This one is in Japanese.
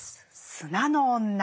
「砂の女」。